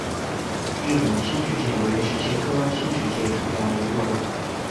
日本新石蟹为石蟹科新石蟹属下的一个种。